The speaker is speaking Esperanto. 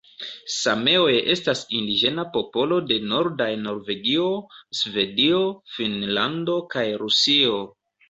Sameoj estas indiĝena popolo de nordaj Norvegio, Svedio, Finnlando kaj Rusio.